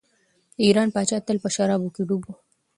د ایران پاچا تل په شرابو کې ډوب و.